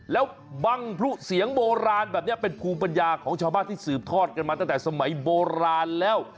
แล้วบังพลุเสียงโบราณแบบนี้เป็นภูมิปัญญาของชาวบ้านที่สืบทอดกันมาตั้งแต่สมัยโบราณแล้ว